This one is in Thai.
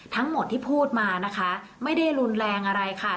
ทั้งหมดที่พูดมานะคะไม่ได้รุนแรงอะไรค่ะ